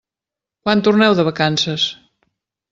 Quan torneu de vacances?